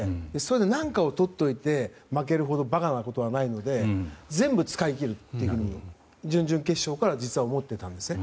何かを取っておいて負けるほど馬鹿なことはないので全部使い切るというふうに準々決勝から思ってたんですね。